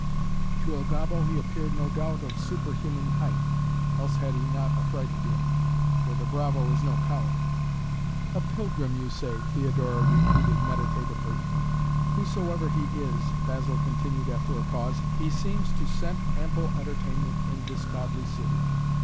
"To Il Gobbo he appeared no doubt of superhuman height, else had he not affrighted him. For the bravo is no coward " "A pilgrim, you say," Theodora repeated, meditatively. "Whosoever he is," Basil continued after a pause, "he seems to scent ample entertainment in this godly city.